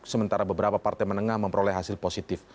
sementara beberapa partai menengah memperoleh hasil positif